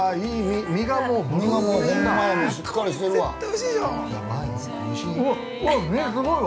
身すごいわ。